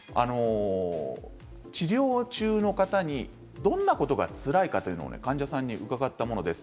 治療中の方にどんなことがつらいかというのを患者さんに伺ったものです。